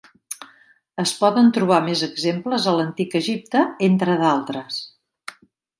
Es poden trobar més exemples a l'antic Egipte entre d'altres.